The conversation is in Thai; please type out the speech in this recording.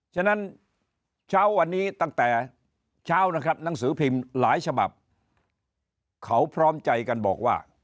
ฉะนั้นเช้าวันนี้ตั้งแต่เช้านะครับหนังสือพิมพ์หลายฉบับเขาพร้อมใจกันบอกว่า